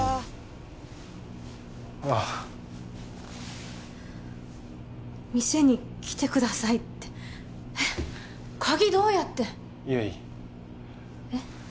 ああ店に来てくださいってえっ鍵どうやって悠依えっ？